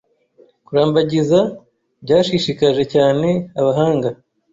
Kurambagiza byashishikaje cyane abahanga